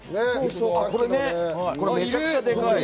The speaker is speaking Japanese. これめちゃくちゃでかい。